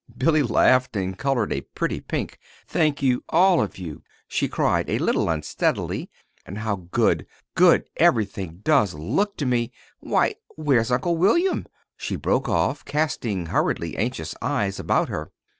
Billy laughed and colored a pretty pink. "Thank you all of you," she cried a little unsteadily. "And how good, good everything does look to me! Why, where's Uncle William?" she broke off, casting hurriedly anxious eyes about her.